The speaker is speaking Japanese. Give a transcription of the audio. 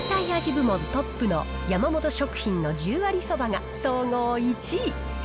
部門トップの山本食品の十割そばが総合１位。